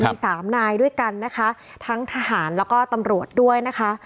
มีสามนายด้วยกันนะคะทั้งทหารแล้วก็ตำรวจด้วยนะคะ